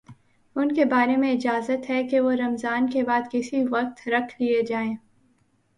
ان کے بارے میں اجازت ہے کہ وہ رمضان کے بعد کسی وقت رکھ لیے جائیں